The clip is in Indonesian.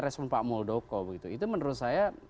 respon pak muldoko begitu itu menurut saya